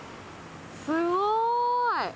すごーい！